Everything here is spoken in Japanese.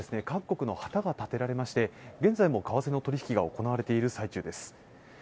各国の旗が立てられまして現在も為替の取引が行われている最中です